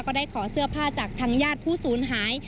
ก็ได้ขอเสื้อผ้าจากทางญาติผู้สูญหาย